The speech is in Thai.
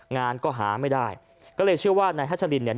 งานก็หาไม่ได้ก็เลยเชื่อว่านายฮัชลินเนี่ย